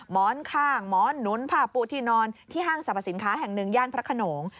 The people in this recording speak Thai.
หมอนข้างหมอนหนุนผ้าปูที่นอนที่ห้างสรรพสินค้าแห่งหนึ่งย่านพระขนง